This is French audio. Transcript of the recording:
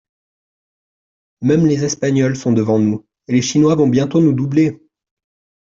Même les Espagnols sont devant nous, et les Chinois vont bientôt nous doubler.